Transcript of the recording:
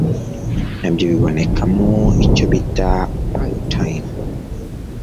nabyo bibonekamo icyo bita “biotine”